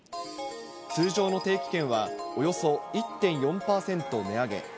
通常の定期券は、およそ１．４％値上げ。